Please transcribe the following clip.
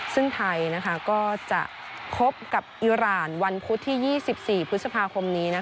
ซึ่งไทยก็จะพบกับอิราณวันพุธที่๒๔พฤษภาคมนี้